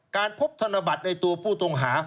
การพบธนบัตรในตัวผู้ต้องหา